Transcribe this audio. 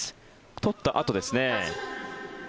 とったあとですね。